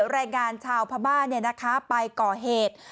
แรงงานชาวพระบ้านเนี่ยนะคะไปก่อเหตุ